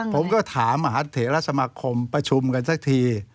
ผมก็ถามมหาเถระสมาคมประชุมกันสักที